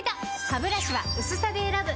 ハブラシは薄さで選ぶ！